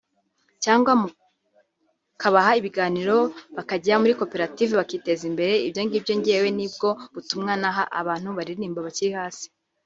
Cyangwa mukabaha ibiganiro bakajya muri koperative bakiteza imbere” ibyo ngibyo njyewe nibwo butumwa naha abantu baririmba bakiri hasi